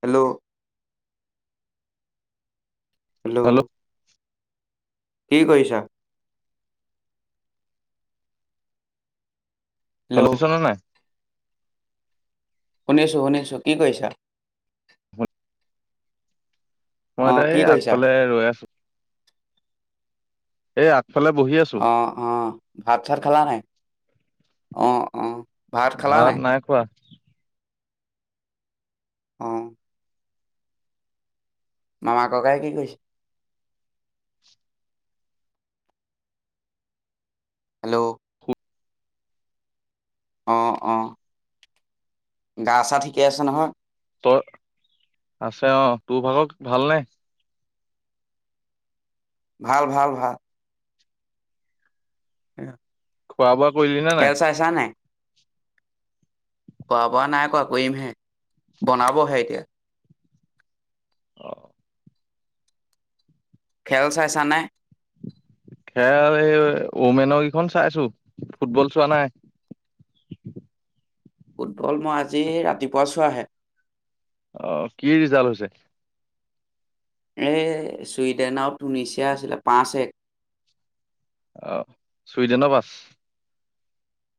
Hello, hello, কি কৰিছা। Hello শোনিচানে নাই। শুনিছো-শুনিছো কি কৈছা? মই এটা কি এই কৰিছা? আগফালে ৰৈ আছো। এ আ, অ-অ, ভাত চাত খালা নাই? অ-অ, ভাত নাই খোৱা। অ মামা ককাই কি কৰিছে। হেল্ল' অ অ। গা চা ঠিকে আছে নহয়। তই আছে অ তোৰ ভাগক ভালনে। ভাল ভাল ভাল। ওম। খোৱা বোৱা কৰিলি নে নাই। কোৱা বোৱা নাই কোৱা কৰিম হে। বনাবহে এতিয়া। অ। খেল চাইছানাই । খেল এই ওমেনৰ কেইখন চাইছো ফুটবল চোৱা নাই। ফুটবল মই আজি ৰাতিপুৱা চোৱ আহে। অ কি ৰিজাল্ট হৈছে। এই চুইডেনৰ টুনিচিয়া আছিলে পাঁচ এক। আহ ছুইডেনৰ বাছ।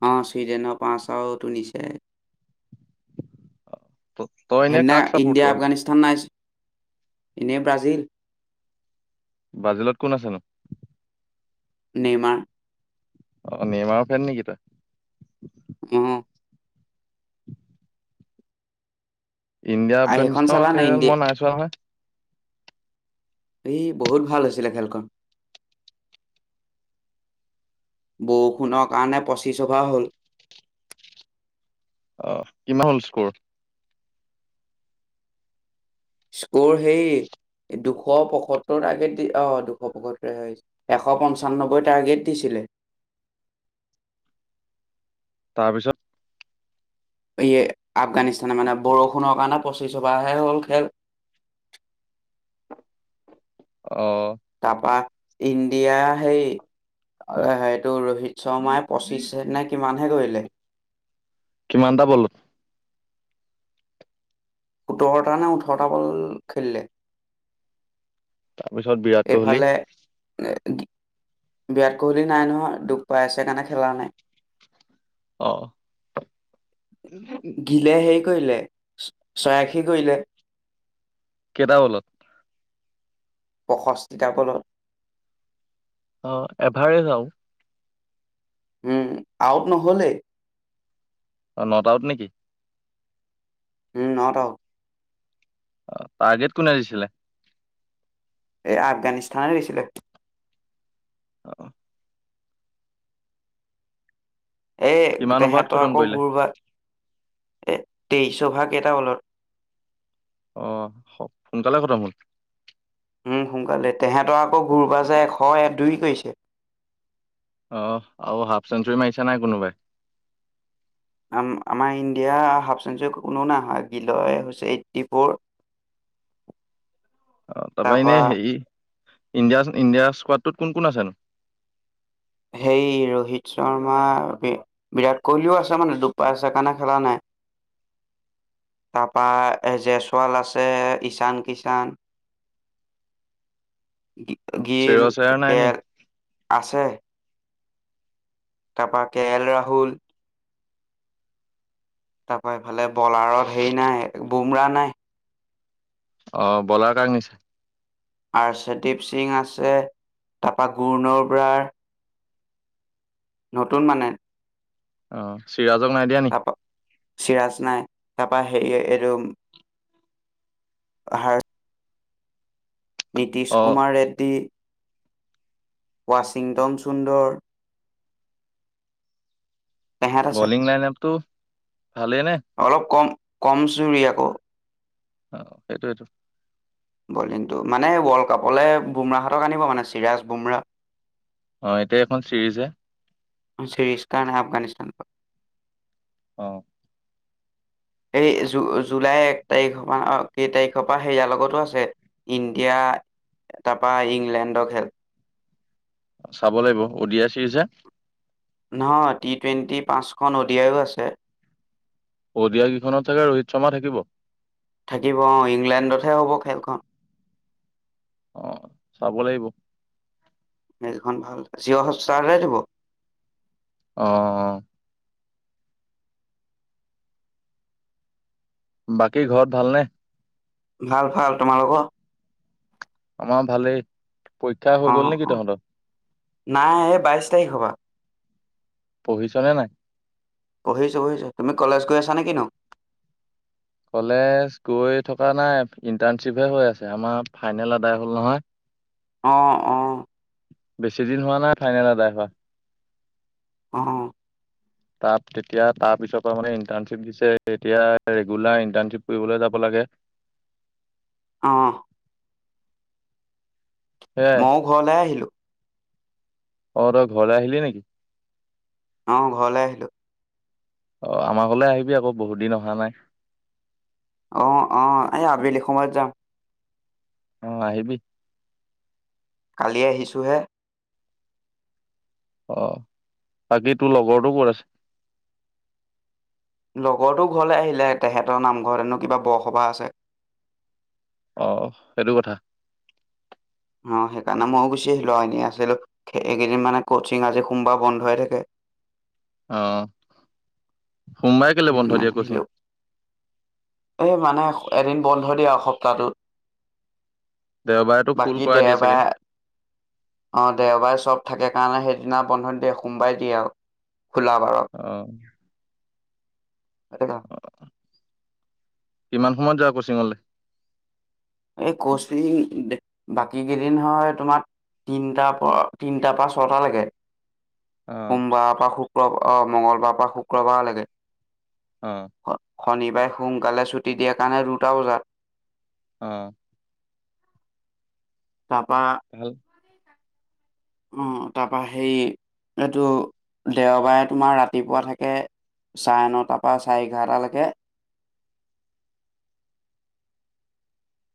অ ছুইডেনৰ পাঁচওটোুনিছে। তই এনে সেইদিনা কাক চাপৰ্ট ইণ্ডিয়া কৰ? আফগানিস্তান নাই। এনেই ব্ৰাজিল। বাজিলত কোন আছেনো। নেৰ্মা । অ নেমাও ফেন নেকি তই। উম ইণ্ডিয়া আ- সেইখন চালা আফগানিস্তানৰ খেল ইণ্ডিয়া মই নাই চোৱা নহয়। এ বহুত ভাল হৈছিলে খেলখন বৰষুণৰ কাৰণে পঁচি অভাৰ হ'ল অ কিমান হল স্কৰ স্কৰ সেই দুশ পয়সত্তৰ টাৰ্গেট দি আহ দুশ পয়সত্তৰ এশ পঞ্চান্নব্বৈ টাৰ্গেট দিছিলে। তাৰপিছত এই আফগানিস্তানে মানে বৰষুণৰ কাৰণে পঁচিছ অভাৰ হ'ল খেল অ', তাপা ইণ্ডিয়া হেই সেইটো ৰোহিত শৰ্মাই পঁচিছ নে কিমান কৰিলে কিমান তা বলত সোতৰটা নে ওঠৰটা বল খেলিলে। তাৰপিছত বিৰাট কোহলি এইফালে এ, বিৰাট কোহলি নাই নহয় দুখ পাই আছে‌ কাৰণে খেলা নাই অহ গিলে হেৰি কৰিলে, ছয়াশী কৰিলে কেটা বলত প্ৰসস্তিতা বলত অ এভাৰেজ আও উম আউট নহলে অ নট আউট নেকি? উম নকআউট অ টাৰ্গেট কোনে দিছিলে? এই আফগানিস্তানে দিছিলে। অঁ এই কিমান অভাৰত তেহেতৰ খতম আকৌ কৰিলে কৰবাত এ তেইচ অভা কেইটা বলত অহ সোনকালে খতম হল উ সোনকালে তেহেঁতৰ আকৌ কোনোবা যে এশ এক দুই কৰিছে অহ আৰু হাফ চেঞ্চুুৰী মাৰিছে নাই কোনোবাই? আ আমাৰ ইণ্ডিয়া হাফ চেঞ্চুৰী কোনো নাহাৰে গিলয় হৈছে এইট্টি ফ'ৰ অ তাৰপৰা এনে তাৰপা হেৰি ইণ্ডিয় ইণ্ডিয়া স্কডটোত কোন কোন আছে সেই ৰোহিত শৰ্মা বিৰাট কোহলিও আছে মানে দোষ পাই আছে কাৰণে খেলা নাই তাৰপা জয়চৱাল আছে ইশান কিষাণ চেৰ গিল চেৰ নাই কে নি আছে তাপাক কে এল ৰাহুল তাৰ পৰা ইফালে বলাৰত হেৰি নাই বুমৰা নাই। অ বলা কাক নিচা আৰ সদ্বীপ সিং আছে তাৰপা গুৰ্ণ বৰাৰ নতুন মানে অহ চিৰাজক নাই দিয়া নেকি? তাৰপা চিৰাজ নাই তাৰপা হেৰি এইটো হয় [unintelligible] নীতিশ অ কুমাৰ ৰেড্ডী ৱাশ্বিংটন চুন্দৰ তেহেঁত আছে বলিং লাইনাপ টো অলপ কম। কমছুৰীয়াকো। অহ, হেটুৱেটো। বলিংটো মানে ৱৰ্ল্ড কাপলৈ বুমৰাহঁতক আনিব মানে চিৰাজ বুমৰাহ। অ এতিয়া এখন চিৰিজ হে? চিৰিস্তান আফগানিস্তান। অহ এই জুলাই এক তাৰিখৰ পৰা কেই তাৰিখৰ পৰা সেয়াৰ লগতো আছে, ইণ্ডিয়া তাৰপৰা ইংলেণ্ডৰ খেল। চাব লাগিব, অডিয়া চিৰিজ হে? নহয়, টি টুৱেণ্টি পাঁচখন অডিয়াইও আছে। অদিয়া কেইখনত থাকে ৰোহিত শৰ্মা থাকিব? থাকিব অহ। ইংলেণ্ডতহে হ'ব খেলখন। অ চাব লাগিব। খন ভাল জিঅ'ষ্টাৰহে দিব। অহ-অহ-অহ। বাকী ঘৰত ভালনে? ভাল-ভাল। তোমালোকৰ? আমাৰ ভালেই। পৰীক্ষা হৈ গ'ল নেকি তহঁতৰ অহ-অহ। নাই, এই বাইশ তাৰিখৰ পৰা। পঢ়িচাহনে নাই? পঢ়িছো-পঢ়িছো, তুমি কলেজ গৈ আছা নেকি নো? কলেজ গৈ থকা নাই ইণ্টাৰ্ণশ্বিপহে হৈ আছে, আমাৰ ফাইনেল আদায় হ'ল নহয়। অহ-অহ বেছি দিন হোৱা নাই ফাইনেল এদাই হোৱা। অহ তাত তেতিয়া তাৰপিছৰ পৰা মানে ইণ্টাৰ্ণশ্বিপ দিছে এতিয়া ৰেগুলাৰ ইণ্টাৰ্ণশ্বিপ কৰিবলৈ যাব লাগে । অহ সেয়াই মও ঘৰলে আহিলো । অ তই ঘৰলৈ আহিলি নেকি? অ ঘৰলে আহিলো । অ আমাৰলৈ আহিবি আকৌ বহুত দিন অহা নাই। অহ-অহ এই আবেলি সময়ত যাম। অ আহিবি। কালি আহিছোঁ হে। আ বাকী তোৰ লগৰৰতটো ক'ত আছে? লগৰটো ঘৰলৈ আহিলে তেহেতৰ নামঘৰত হেনো কিবা বৰসভাহ আছে । অহ সেইটো কথা। অ সেইকাৰণে ময়ো গুচি আহিলো আৰু এনে আছিলো এইকেইদিন মানে কচিং আজি সোমবাৰ বন্ধ হৈ থাকে। আহ এই মানে এদিন বন্ধ দিয়া সপ্তাহটোত দেওবাৰেতো ফুল বাকী কৰাই দিয়ে চাগে দেওবাৰে অ দেওবাৰে চব থাকে। সেইদিনা বন্ধন দিয়ে সোমবাই দিয়ে আৰু খোলা বাৰত। অঁ অঁ কিমান সময়ত যাওঁ কচি্ংঙলে এই কচিং বাকী কেইদিন হয় তোমাৰ তিনটাৰ পৰা তিনটাৰ পৰা ছটা লৈকে অ সোমবাৰ পা সৃ আহ মংগলবাৰ পৰা শুক্ৰবাৰলৈকে অঁ শনিবাৰে সোনকালে ছুটি দিয়াৰ কাৰণে দুটা বজাত অঁ তাৰপৰা ভাল আহ তাৰপা সেই এইটো দেওবাৰে তোমাৰ ৰাতিপুৱা থাকে চাৰে নটাৰ পৰা চাৰে এঘাৰটালৈকে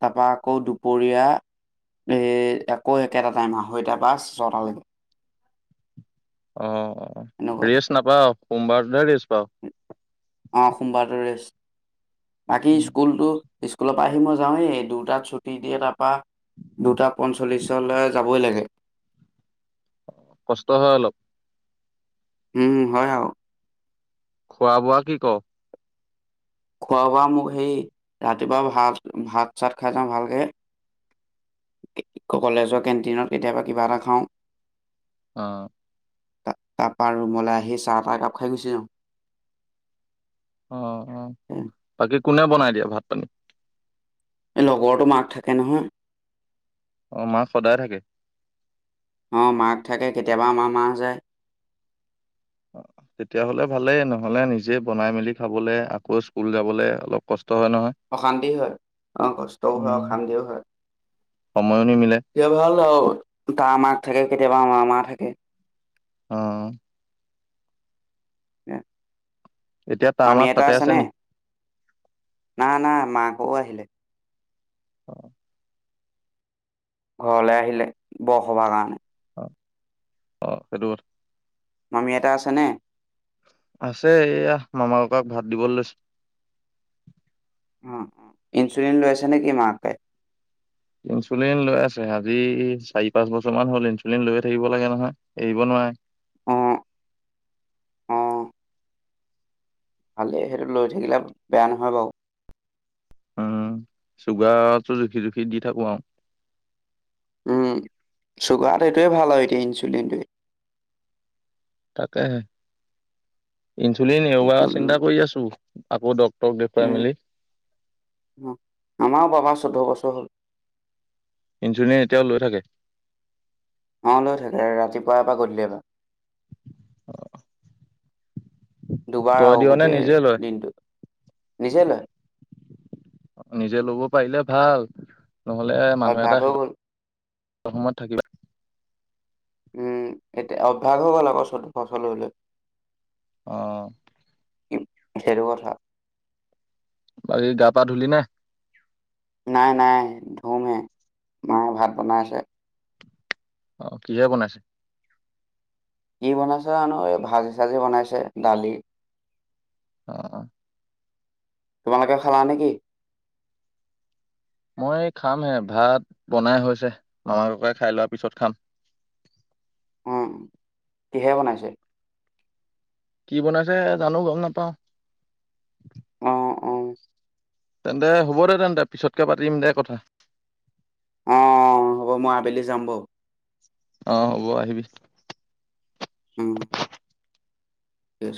তাৰপা আকৌ দুপৰীয়া এই আকৌ একেটা টাইম আঢ়ৈটা পা ছঁয় টা লৈকে অঁ অঁ অ এনেকুৱা ৰেষ্ট নাপাও। সোমবাৰ ৰেষ্ট পাওঁ। অ সোমবাৰটো ৰেষ্ট বাকী স্কুলটো স্কুলৰ পৰা আহি মই যাওঁৱেই দুটাত ছুটি দিয়ে তাৰপৰা দুটা পঞ্চল্লিছলৈ যাবই লাগে। কষ্ট হয় অলপ। উম হয় আৰু খোৱা বোৱা কি কও খোৱা বোৱা মোক সেই ৰাতিপুৱা ভাত ভাত চাত খাই যাও ভালকে কলেজৰ কেণ্টিনত কেতিয়াবা কিবা এটা খাওঁ। অঁ ত তাৰ পৰা ৰুমলৈ আহি চাহ তাহ একাপ খাই গুচি যাওঁ। অ অ এই তাকে কোনে বনাই দিয়ে ভাত পানী লগৰতো মাক থাকে নহয়। অ মাক সদায় থাকে। অ মাক থাকে কেতিয়াবা আমাৰ মা যায়। তেতিয়া হলে ভালেই নহলে নিজে বনাই মেলি খাবলে আকৌ স্কুল যাবলে অলপ কষ্ট। হয় নহয় অশান্তি হয় অ কষ্টও হয় উম, অশান্তিও হয় সময়ো নিমিলে সেয়া ভাল আৰু তাৰ মাক থাকে। কেতিয়াবা মামা থাকে। অ, উম এতিয়া তাৰ মাক মামীআইটা তাতে আছে নে নি? না, না মাকৰো আহিলে। অ, ঘৰলে আহিলে, বৰ সবাহ কাৰণে অ সেইটো কথা, মামীআইটা আছে নে? আছে এইয়া মামা, ককাক ভাত দিবলৈ লৈছে। অ অ, ইনচুলিন লৈ আছে নেকি মাকে? ইনচুলিন লৈ আছে, আজি চাৰি পাঁচ বছৰমান হ'ল ইনচুলিন লৈয়ে থাকিব লাগে, নহয় এৰিব নোৱাৰে। অ ভালে, সেইটো লৈ থাকিলে বেয়া নহয় বাৰু। উম, চুগাৰটো জুখি, জুখি দি থাকো আৰু উম চুগাৰ এইটোৱে ভাল এইটো ইনচুলিনটোৱে। তাকেহে ইনচুলিন সেইটো এবাৰ চিন্তা কৰি আছো। আকৌ ডক উম, আমাৰ বাবা চৈধ্য বছৰ হ'ল ইনচুলিন এতিয়াও লৈ থাকে? অ লৈ থাকে, ৰাতিপুৱা এবাৰ, গধূলি এবাৰ, অ দুবাৰ আৰু নে গোটেই নিজে লয়? দিনটো। নিজে লয়। নিজে ল'ব পাৰিলে ভাল। নহলে মানুহ অভ্যাস এটা হৈ শেষ গ'ল অসমত থাকিবা। উম', এতিয়া অভ্যাস হৈ গ'ল, আকৌ চটো ফচললৈ আহ', সেইটো কথা। বাকী গা পা ধুলি নে? নাই- নাই ধুমহে, মায়ে ভাত বনাই আছে। অ', কিহে বনাইছে? কি বনাইছে জানো, এই ভাজি চাজি বনাইছে দালি। অ', তোমালোকে খালা নেকি? মই খামহে, ভাত বনাই হৈছে মামা, ককাই খাই লোৱাৰ পিছত খাম। উম', কিহে বনাইছে? কি বনাইছে জানো গম নাপাওঁ। অ', অ', তেন্তে হ'ব দে তেন্তে পিছতকে পাতিম দে কথা। অ', হ'ব মই আবেলি যাম বাৰু। অ', হ'ব আহিবি। উম', এছ।